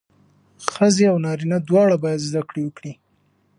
ښځې او نارینه دواړه باید زدهکړه وکړي.